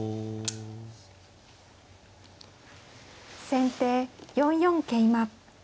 先手４四桂馬。